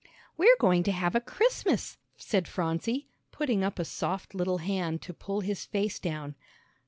"We're going to have a Christmas," said Phronsie, putting up a soft little hand to pull his face down.